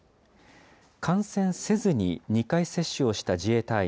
感染せずに２回接種をした自衛隊員